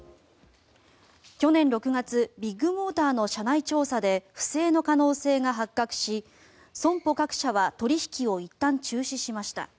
去年６月ビッグモーターの社内調査で不正の可能性が発覚し損保各社は取引をいったん中止しました。